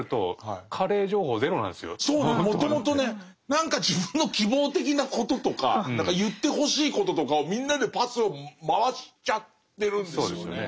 何か自分の希望的なこととか言ってほしいこととかをみんなでパスを回しちゃってるんですよね。